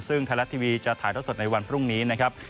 ซึ่งไทยรัฐทีวีจะถ่ายท่อสดในวันพรุ่งนี้นะครับ